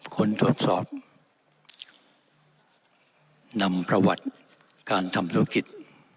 ทดสอบนำประวัติการทำธุรกิจ